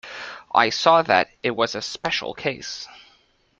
I saw that it was a special case.